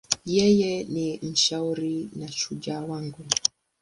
Yeye ni mshauri na shujaa wangu.